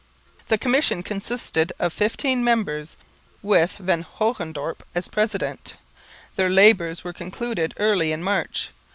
The Commission consisted of fifteen members, with Van Hogendorp as president. Their labours were concluded early in March.